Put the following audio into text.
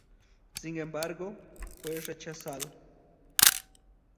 Sin embargo, fue rechazado.